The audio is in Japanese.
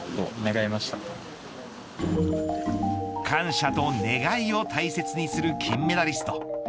感謝と願いを大切にする金メダリスト。